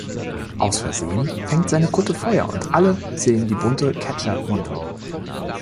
Aus Versehen fängt seine Kutte Feuer und alle sehen die bunte Catcher-Montur.